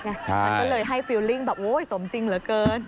มันก็เลยให้ฟิลลิ่งแบบโอ๊ยสมจริงเหลือเกิน